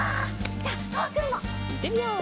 じゃとわくんも。いってみよう！